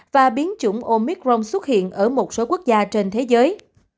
và biến chủng omicron xuất hiện ở một số quốc gia trên thế giới